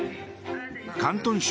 広東省